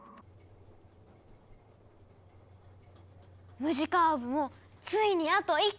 ムジカオーブもついにあと１個。